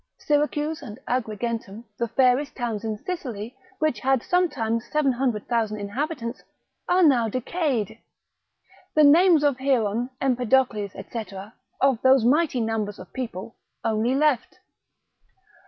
Syracuse and Agrigentum, the fairest towns in Sicily, which had sometimes 700,000 inhabitants, are now decayed: the names of Hieron, Empedocles, &c., of those mighty numbers of people, only left.